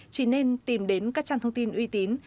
chỉ nên tìm đến các trang thông tin uy tín